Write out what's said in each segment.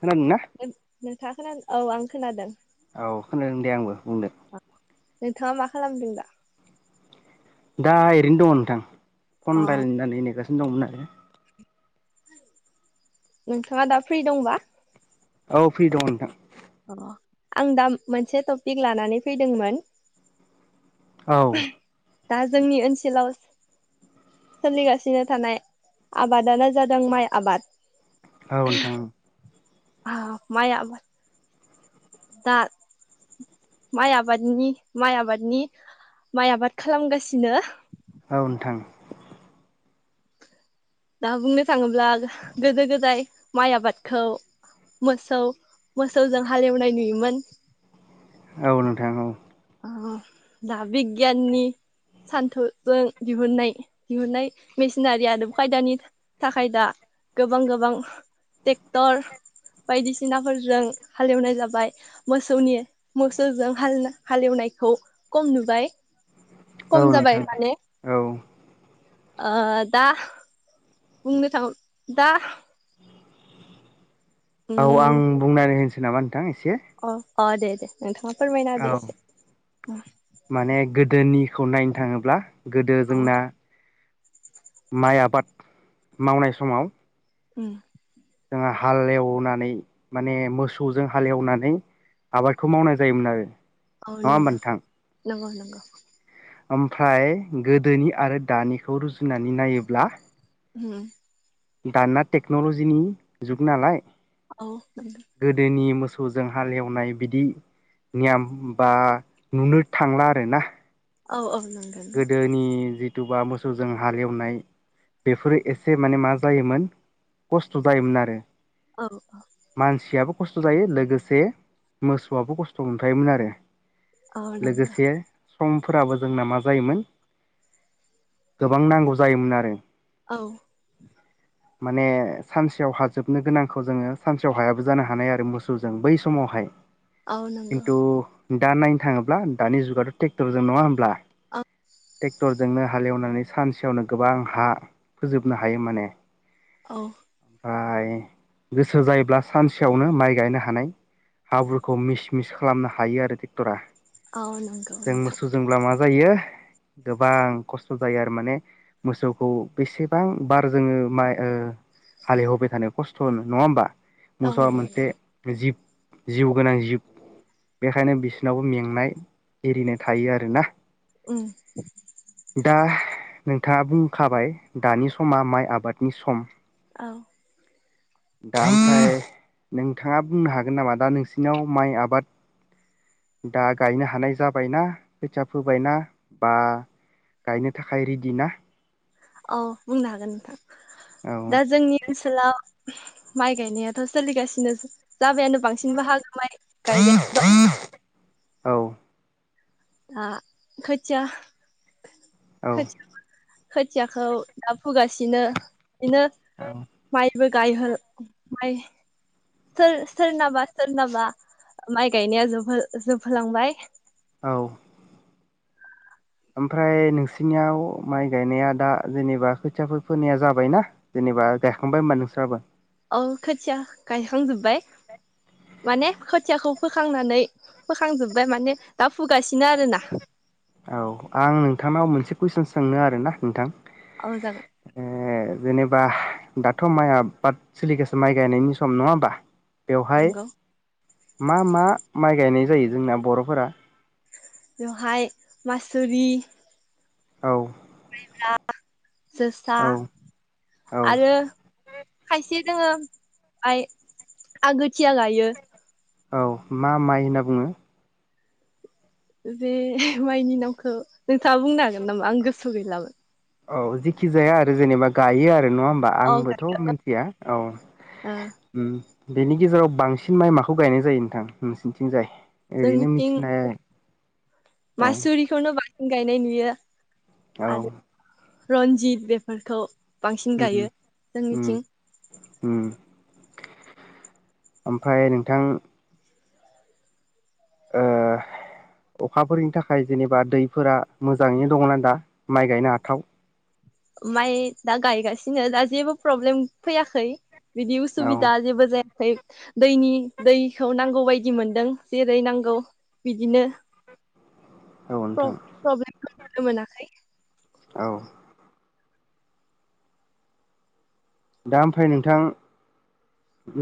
खोनादों ना नोंथाङा खोनादों? औ आं खोनादों। औ खोनादों दे आंबो, बुंदो। नोंथाङा मा खालामदों दा? दा एरैनो दङ नोंथां। फन अ रायलायनो होननानै नेगासिनो। दंमोना नोंथाङा दा फ्रि दंबा औ फ्रि दङ नोंथां। अ आं दा मोनसे टपिक लानानै फैदोंमोन। औ। दा जोंनि ओनसोलाव सोलिगासिनो थानाय आबादानो जादों माइ आबाद। औनोथां औ। औ माइ आबाद दा माइ आबादनि माइ आबादनि माइ आबाद खालामगासिनो। औ नोंथां। दा बुंनो थाङोब्ला गोदो गोदाय माइ आबादखौ मोसौ मोसौजों हालेवनाय नुयोमोन। औ नोंथां औ। ओम दा बिग्याननि सान्थौजों दिहुननाय दिहुननाय मिसिनारि आदब खायदानि थाखाय दा गोबां गोबां टेक्टर बायदिसिनाफोरजों हालेवनाय जाबाय मोसौनि मोसौजों हालेवनो। हालेवनायखौ कम नुबाय। कम औ जाबाय नोंथां माने। औ ओ दा। बुंनो थाङोब दा। औ आं बुंनानै होनसै सै नामा नोथां इस अह। अ दे दे नोंथांङा। औ माने गोदोनिखौ नायनो थांङोब्ला गोदो औ जोंना। माइ आबाद मावनाय समाव। ओम। जोंआ हालएवनानै माने मोसौजों हालेवनानै आबादखौ मावनाय जायोमोन आरो। नङा ओमबा नोंथां। नोंगौ नोंगौ। ओमफ्राय गोदोनि आरो दानिखौ रुजुनानै नायोब्ला। उम दाना टेक्न'ल'जिनि जुग नालाय। औ। गोदोनि मोसौजों हालेवनाय बिदि नियम बा नुनो थांला आरोना औ औ। नंगौ गोदोनि जि। थुबा मोसौजों हालेवनाय बेफोरो एसे माने मा जायोमोन खस्थ' जायोमोन आरो। औ। मानसियाबो खस्थ' जायो लोगोसे मोसौआबो खस्थ' मोनफायोमोन आरो। औ नंगौ लोगोसे सम। फोराबो जोंना माक जायोमोन गोबां नांगौ जायोमोन आरो। औ। माने सानसेयाव हाजोबनो गोनांखौ जोंङो सानसेयाव हायाबो जानो हानाय आरो मोसौजों बै समावहाय। औ नंगौ खिन्थु दा नायनो थाङोब्ला दानि जुगाथ ट्रेक्टरजों नङा होमब्ला, औ टेक्टर जोंनो हालेवनानै सानसेयावनो गोबां हा फोजोबनो हायो माने, औ ओमफाय गोसो जायोब्ला सानसेयावनो माइ गायनो हानाय, हाब्रुखौ मिस मिस खालामनो हायो आरो ट्रेक्टरा, औ नंगौ जों नोंथां मोसौजोंब्ला मा जायो। गोबां खस्थ जायो आरो माने मोसौखौ बेसेबां बार जोङो माइ ओ हालेव होबाय थानाय खस्थ होनो नङा होमबा, औ मोसौआ नंगौ मोनसे नंगौ जिब, जिउ गोनां जिब बेखायनो बिसोरनावबो मेंनाय एरिनाय थायो आरोना? ओम, दा नोंथाङा बुंखाबाय दानि समा माइ आबादनि सम, [unintelligible] दा ओमफाय नोंथाङा बुंनो हागोन नामा दा नोंसिनाव माइ आबाद दा गायनो हानाय जाबायना खोथिया फोबायना बा गायनो थाखाय रेडि ना? औ बुंनो हागोन नोंथां, औ दा जोंनि ओनसोलाव, माइ गायनायाथ' सोलिगासिनो स जाबानो बांसिन बाहागो माय गायबायानो द औ दा खोथिया, औ खोथिया खोथियाखौ दा फुगासिनो, इदिनो माइ बो गायहोल माय सोर सोरनाबा सोरनाबा माइ गायनाया जोबहो जोबहोलांबाय, औ ओमफ्राय नोंसिनियाव माइ गायनाया दा जेनेबा खोथियाफोर फोनोनाया जाबायना जेनेबा गायखांबाय होनबा नोंस्राबो, औ खोथिया गायखांजोब्बाय माने खोथियाखौ फोखांनानै फोखांजोबबाय माने दा फुगासिनो आरोना? औ आं नोंथांनाव मोनसे कुइसन सोंनो आरोना नोंथां, औ जागोन। ए जेनेबा दाथ' माइ आबाद सोलिगासिनो माइ गायनायनि सम नङा होमबा, बेवहाय, नंगौ मा मा माइ गायनाय जायो जोंना बर'फोरा, जहाय मासुरि औ। [unintelligible] जोसा औ औ आरो खायसे दोङो आइ आगोथिया गायो। औ मा माइ होनना बुङो? बे माइनि नामखौ नोंथाङा बुंनो हागोन नामा? आं गोसो आव गैलामोन। औ जेखि जाया आरो जेनेबा गायो आरो नङा होमबा औ आंबोथ' गायो मिथिया औ ओ ओम। बेनि गेजेराव बांसिन माइ माखौ गायनाय जायो नोंथां नोंसिनिथिंजाय? ओरैनो जोंनिथिं मिथिनाय औ मासुरिखौनो बां गायनाय नुयो। औ आरो रन्जित बेफोरखौ बांसिन उम गायो उम जोंनिथिं उम ओमफ्राय नोंथां ओ अखाफोरनि थाखाय जेनेबा दैफोरा मोजाङैनो दंना दा माइ गायनो हाथाव? माइ दा गायगासिनो दा जेबो प्रब्लेम फैयाखै। बिदि औ उसुबिदा जेबो जाया [unintelligible] दैनि दैखौ नांगौ बायदि मोनदों जेरै नांगौ बिदिनो। औ नोंथां प्र-प्रब्लेम नुनो मोनाखै। औ। दा ओमफ्राय नोंथां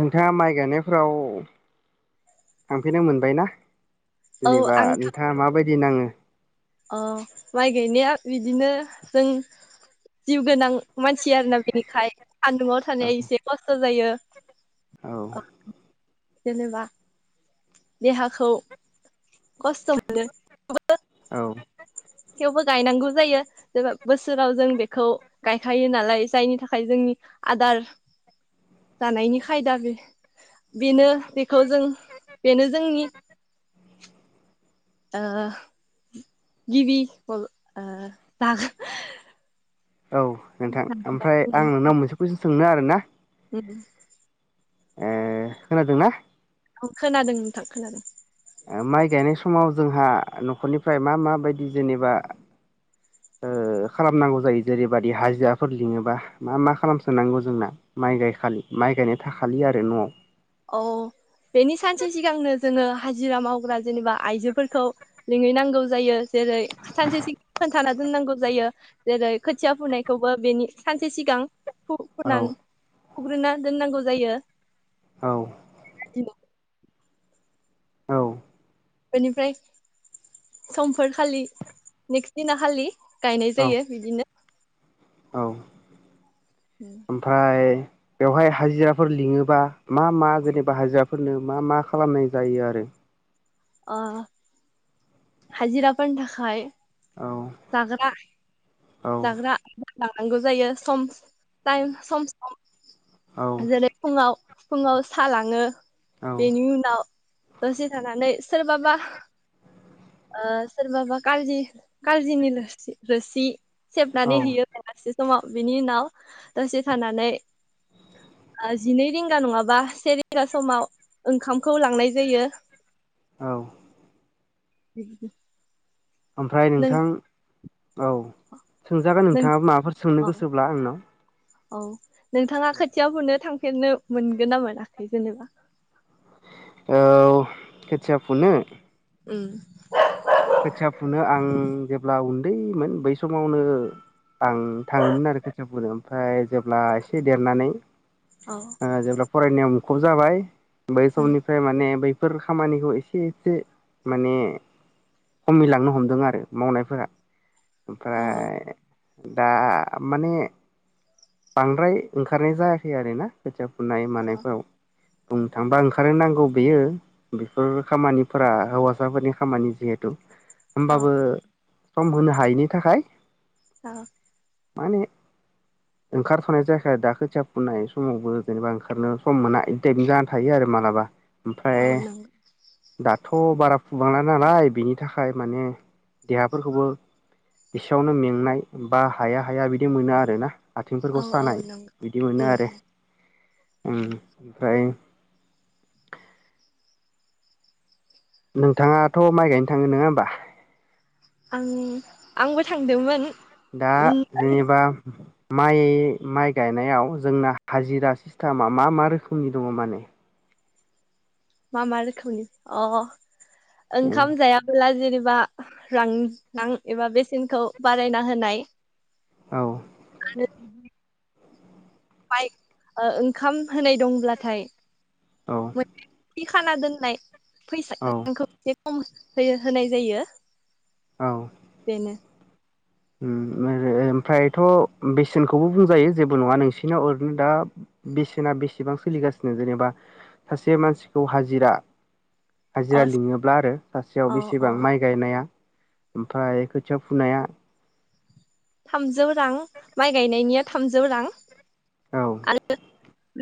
नोंथाङा माइ गायनायफ्राव थांफेरनो मोनबाय ना? औ जेनेबा आं नोंथाङा माबायदि नाङो? अ माइ गायनाया बिदिनो जों जिउ गोनां मानसि आरोना बेनिखाय सान्दुङाव औ थानाया एसे खस्थ' जायो। औ ओ। जेनेबा देहाखौ खस्थ' मोनो। थेवबो औ। थेवबो गायनांगौ जायो जेबा बोसोराव जों बेखौ गायखायो नालाय जायनि थाखाय जोंनि आदार जानायनि खायदा बे बेनो बेखौ जों बेनो जोंनि ओ गिबि अ ओ जागा [unintelligible] औ नोंथां ओमफ्राय आं नोंनाव मोनसे कुइसन सोंनो आरो ना। औ। ए खोनादोंना? खोनादों नोंथां खोनादों। माइ गायनाय समाव जोंहा न'खरनिफ्राय मा मा बायदि जेनेबा ओ खालामनांगौ जायो जेरैबादि हाजिराफोर लिङोबा मा मा खालामसोनांगौ जोंना माइ गायखालि माइ गायनाय थाखालि आरो न'आव औ बेनि सानसे सिगांनो जोङो हाजिरा मावग्रा जेनेबा आइजोफोरखौ लिंहैनांगौ जायो जेरै सानसे सिगां खोन्थाना दोननांगौ जायो जेरै खोथिया फुनायखौबो बेनि सानसे सिगां [unintelligible] औ फुग्रोना दोननांगौ जायो। औ। [unintelligible] औ। बेनिफ्राय समफोर खालि नेक्स्ट दिना खालि गायनाय औ जायो बिदिनो औ। ओमफाय बेवहाय हाजिराफोर लिङोबा मा मा जेनेबा हाजिराफोरनो मा मा खालामनाय जायो आरो? अ। हाजिराफोरनि थाखाय औ जाग्रा औ जाग्रा। लांनांगौ जायो सम टाइम सम सम। औ जेरै फुङाव फुङाव सालाङो औ बेनि उनाव दसे थानानै सोरबाबा ओ सोरबाबा खारजि खारजिनि लो रोसि। औ सेबनानै होयो गेलास जों। समाव बिनि उनाव दसे थानानै ओ जिनै रिंगा नङाबा से रिंगा समाव ओंखामखौ लांनाय जायो। औ। बिदि ओमफ्राय नोंथां? औ। सोंजागोन नों नोंथाङाबो माबाफोर सोंनो औ गोसोब्ला आंनाव? औ नोंथाङा खोथिया फुनो थांफेरनो मोनगोन ना मोनाखै जेनेबा? औ खोथिया फुनो। उम। खोथिया फुनो आं जेब्ला उन्दैमोन बै समावनो आं थाङोमोन आरो खोथिया फुनो ओमफाय जेब्ला एसे देरनानै औ ओ जेब्ला फरायनायाव मुखुब जाबाय बै उम समनिफ्राय माने बै फोर खामानिखौ एसे एसे माने खमिलांनो हमदों आरो मावनायफोरा। अ ओमफ्राय दा माने बांद्राय ओंखारनाय जायाखै आरोना खोथिया फुनाय अ मानायफ्राव बुंनो थांबा ओंखारनो नांगौ बेयो बेफोर खामानिफोरा हौवासाफोरनि खामानि जिहेथु औ होमबाबो सम होनो हायैनि थाखाय ओ। माने ओंखारखानाय जाखायादा खोथिया फुनाय समावबो जेनेबा ओंखारनो सम मोना इदि थायबनि जानानै थायो आरो मालाबा। ओमफ्राय औ नंगौ दाथ' थ' बारा फुबांआ नालाय बिनि थाखाय माने देहाफोरखौबो एसेयावनो मेंनाय बा हाया हाया बिदि मोनो आरो ना। आथिंफोरखौ औ औ सानाय नंगौ बिदि मोनो उम आरो। ओम ओमफ्राय नोंथाङाथ' माइ गायनो थाङो नङा होमबा? आं आंबो थांदोंमोन दा उम जेनेबा माइ माइ गायनायाव जोंना हाजिरा सिस्टामा मा मा रोखोमनि दङ माने? मा मा रोखोमनि अ ओंखाम जायाब्ला जेने बा रां रां एबा बेसेनखौ बारायना होनाय औ। [unintelligible] माइ ओ ओंखाम होनाय दंब्लाथाय औ। थि खाना दोननाय फैसा औ [unintelligible] होयो होनाय जायो। बेनो। होम ओओ ओमफ्रायथ' बेसेनखौबो बुंजायो जेबो नङा नोंसिनाव ओरैनो दा बेसेना बेसेबां सोलिगासिनो जेनेबा सासे मानसिखौ हाजिरा हाजिरा अ लिङोब्ला आरो सासेयाव अ अ बेसेबां माइ गायनाया? ओमफ्राय खोथिया फुनाया? थामजौ रां माइ गायनायनिया थामजौ रां। औ आरो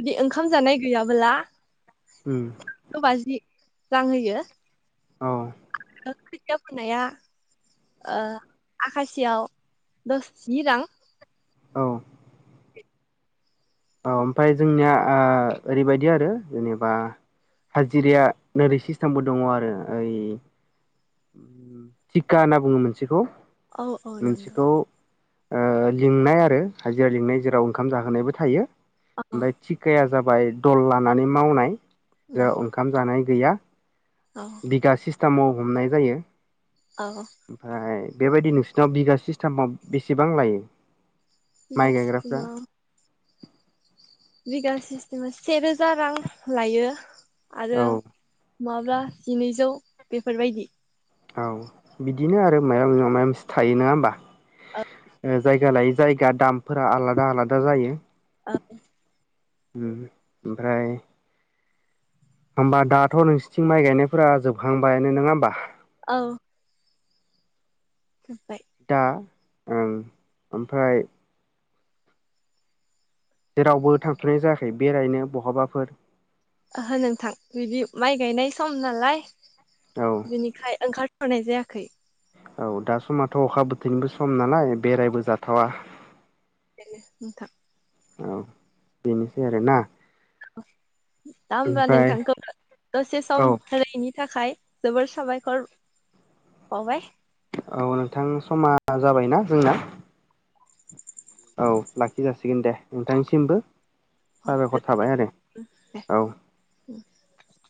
जुदि ओंखाम जानाय गैयाबोला उम [inaudible] बाजि। रां होयो। औ। खोथिया फुनाया ओ आखासेयाव दस जि रां। औ। औ ओमफाय जोंनिया ओ ओरैबायदि आरो जेनेबा हाजिराया नोरै सिस्टामबो दङ' आरो ओइ थिखा होनना बुङो मोनसेखौ औ औ नंगौ मोनसेखौ ओ लिंनाय आरो हाजिरा लिंनाय जेराव ओंखाम जाहोनायबो थायो औ ओमफाय थिखाया जाब बाय त'ल लानानै मावनाय [unintelligible] उम ओंखाम जानाय गैया औ बिगासिस स्तामाव हमनाय जायो औ ओमफाय बेबायदि नोंसिनाव बिगा सिस्थामाव बेसेबां लायो? माइ बिगा सि गायग्राफ्रा [unintelligible] बिगा सिस्टेमा सेे रोजा रां लायो आरो औ माब्ला जिनैजौ बेफोरबायदि औ बिदिनो आरो मायबा नङा थायोना होमबा? ओ ओ जायगा लायै जायगा दामफोरा आलादा आलादा जायो। आ उम ओमफ्राय होमबा दाथ' नोंसिथिं माइ गायनायफोरा जोबखांबायानो नोङा होमबा? औ जोब्बाय दा ओं ओमफाय जेरावबो थांथ'नाय जायाखै बेरायनो बहाबाफोर? ओहो नोंथां बिदि माइ गायनाय सम नालाय औ बिनिखाय ओंखार थ'नाय जायाखै औ दा समाथ' अखा बोथोरनिबो सम नालाय बेरायबो जाथावा बेनो नोंथां औ बेनोसै आरोना दा होमबा ओमफ्राय नोंथांखो दसे औ सम होनायनि थाखाय जोबोर साबायखर बावबाय औ नोंथां समा मा जाबायना जोंना? औ लाखि जासिगोन दे नोंथांनिसिमबो औ साबायखर थाबाय आरो गोजोनथों औ। [unintelligible]